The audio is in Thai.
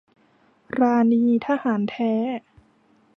ราณี ทหารแท้